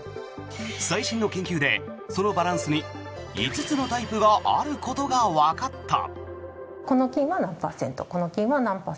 最新の研究でそのバランスに５つのタイプがあることがわかった。